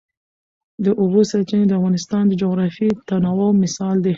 د اوبو سرچینې د افغانستان د جغرافیوي تنوع مثال دی.